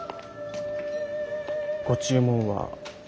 ご注文は。